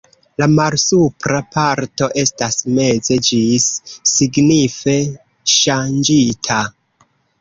La malsupra parto estas meze ĝis signife ŝanĝita.